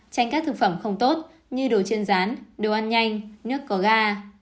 ba tránh các thực phẩm không tốt như đồ chiên rán đồ ăn nhanh nước có ga